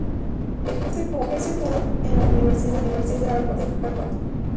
Ejerce como profesor en la Universidad de Harvard.